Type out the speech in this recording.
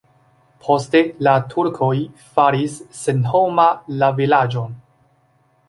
Poste la turkoj faris senhoma la vilaĝon.